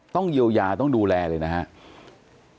ต้องเยียวยาต้องดูแลเลยนะครับ